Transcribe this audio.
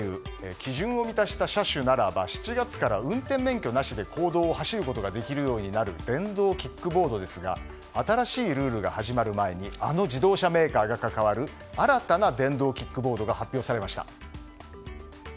基準を満たした車種ならば７月から運転免許なしで公道を走ることができるようになる電動キックボードですが新しいルールが始まる前にあの自動車メーカーが関わる新たな電動キックボードが発表されました。